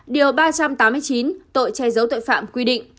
điều ba trăm tám mươi chín tội che giấu tội phạm quy định